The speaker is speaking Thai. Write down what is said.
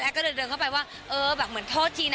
แอ๊กก็เดินเข้าไปว่าเหมือนโทษทีนะ